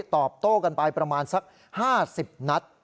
ตอบโต้กันไปประมาณสัก๕๐นัด